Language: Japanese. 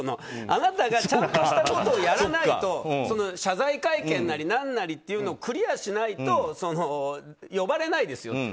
あなたがちゃんとしたことをやらないと謝罪会見なり何なりをクリアしないと呼ばれないですよ。